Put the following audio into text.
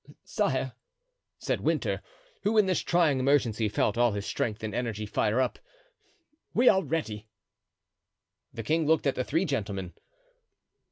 "Sire," said Winter, who in this trying emergency felt all his strength and energy fire up, "we are ready." The king looked at the three gentlemen.